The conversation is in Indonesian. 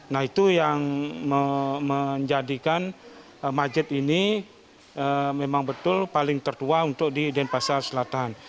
nah itu yang menjadikan masjid ini memang betul paling tertua untuk di denpasar selatan